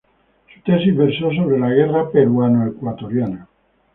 Su tesis versó sobre la Guerra peruano-ecuatoriana.